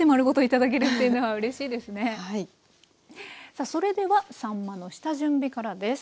さあそれではさんまの下準備からです。